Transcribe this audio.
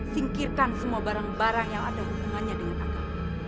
singkirkan semua barang barang yang ada hubungannya dengan agama